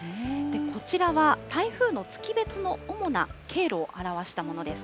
こちらは、台風の月別の主な経路を表したものです。